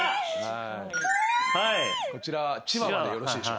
こちらはチワワでよろしいでしょうか。